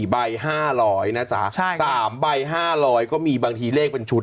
ใบ๕๐๐นะจ๊ะ๓ใบ๕๐๐ก็มีบางทีเลขเป็นชุด